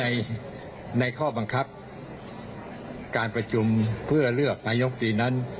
อันนี้ในข้อบังคับการประชุมเพื่อเลือกปัญหายกฤษีนั้น